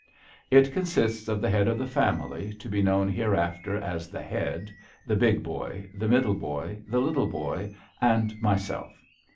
It consists of the head of the family, to be known hereafter as the Head, the Big Boy, the Middle Boy, the Little Boy, and myself.